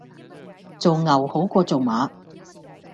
做牛好過做馬